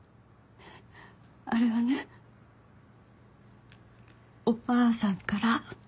あれはねおばあさんから。